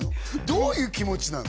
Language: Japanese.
どういう気持ちなの？